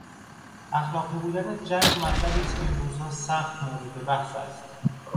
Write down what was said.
اخلاقی بودن جنگ مطلبی است که این روزها سخت مورد بحث است.